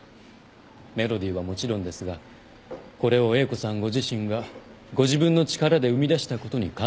メロディーはもちろんですがこれを英子さんご自身がご自分の力で生み出したことに感動しています。